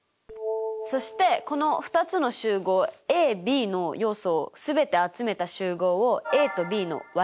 そしてこの２つの集合ＡＢの要素を全て集めた集合をＡとＢの和集合といいますよ。